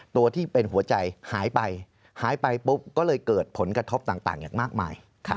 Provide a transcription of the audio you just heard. ตัวที่เป็นหัวใจหายไปหายไปปุ๊บก็เลยเกิดผลกระทบต่างอย่างมากมาย